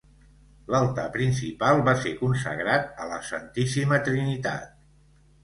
L'altar principal va ser consagrat a la Santíssima Trinitat.